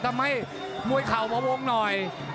ถ้าไม่มวยเข่ามาวงหน่อย